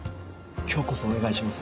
今日こそお願いします。